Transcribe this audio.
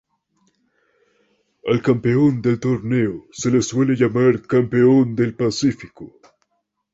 Al campeón del torneo se lo suele llamar Campeón del Pacífico.